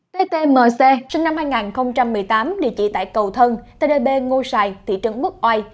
t t m c sinh năm hai nghìn một mươi tám địa chỉ tại cầu thân t d b ngô sài thị trấn quốc oai